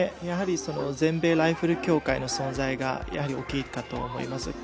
やはり、全米ライフル協会の存在が大きいかと思います。